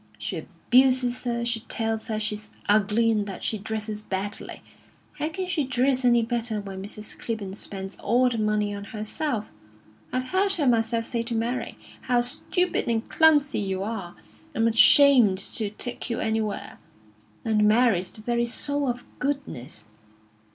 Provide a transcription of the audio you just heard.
She abuses her; she tells her she's ugly, and that she dresses badly. How can she dress any better when Mrs. Clibborn spends all the money on herself? I've heard her myself say to Mary: 'How stupid and clumsy you are! I'm ashamed to take you anywhere.' And Mary's the very soul of goodness.